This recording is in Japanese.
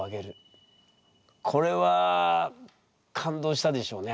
これは感動したでしょうね